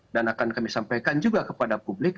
dan akan kami sampaikan juga kepada publik